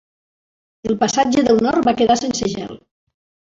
El passatge del nord va quedar sense gel.